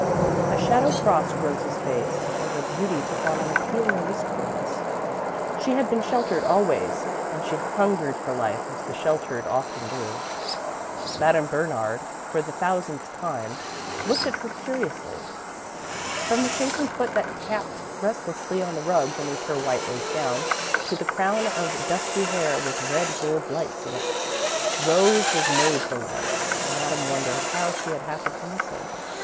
A shadow crossed Rose's face and her beauty took on an appealing wistfulness. She had been sheltered always and she hungered for Life as the sheltered often do. Madame Bernard, for the thousandth time, looked at her curiously. From the shapely foot that tapped restlessly on the rug beneath her white lace gown, to the crown of dusky hair with red gold lights in it, Rose was made for love and Madame wondered how she had happened to miss it.